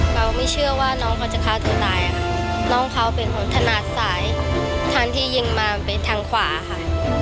เราไม่เชื่อว่าน้องเขาจะฆ่าตัวตายค่ะน้องเขาเป็นคนถนัดสายทางที่ยิงมาไปทางขวาค่ะ